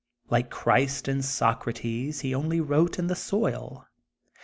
Like Christ and Socrates he wrote only in the soil.